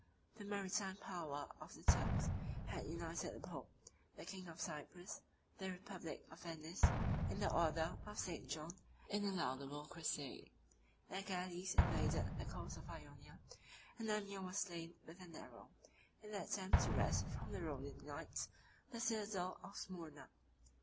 The maritime power of the Turks had united the pope, the king of Cyprus, the republic of Venice, and the order of St. John, in a laudable crusade; their galleys invaded the coast of Ionia; and Amir was slain with an arrow, in the attempt to wrest from the Rhodian knights the citadel of Smyrna.